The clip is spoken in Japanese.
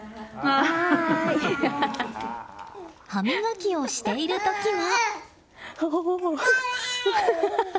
歯磨きをしている時も。